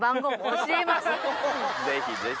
ぜひぜひ。